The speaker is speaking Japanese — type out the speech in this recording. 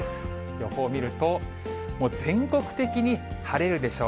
予報を見ると、全国的に晴れるでしょう。